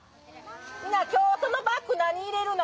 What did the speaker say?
みんな今日そのバッグ何入れるの？